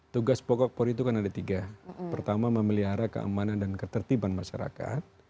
tugas pokok polri itu kan ada tiga pertama memelihara keamanan dan ketertiban masyarakat